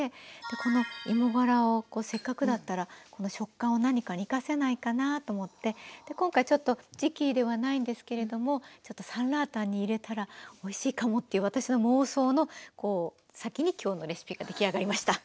この芋がらをせっかくだったら食感を何かに生かせないかなと思って今回ちょっと時期ではないんですけれどもちょっとサンラータンに入れたらおいしいかもっていう私の妄想の先に今日のレシピが出来上がりました。